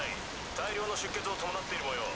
大量の出血を伴っているもよう。